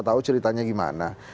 tahu ceritanya gimana